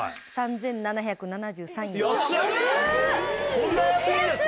そんな安いんですか？